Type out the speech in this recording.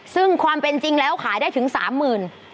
ซึ่งความเป็นจริงแล้วขายได้ถึง๓๐๐๐บาท